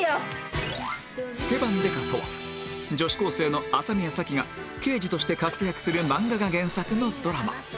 『スケバン刑事』とは女子高生の麻宮サキが刑事として活躍する漫画が原作のドラマ